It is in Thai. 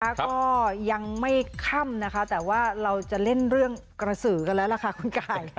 แล้วก็ยังไม่ค่ำนะคะแต่ว่าเราจะเล่นเรื่องกระสือกันแล้วล่ะค่ะคุณกาย